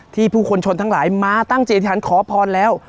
ผู้คนชนทั้งหลายมาตั้งจิตฐานขอพรแล้ว